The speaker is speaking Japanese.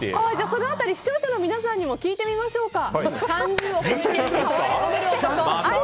その辺り視聴者の皆さんにも聞いてみましょうか。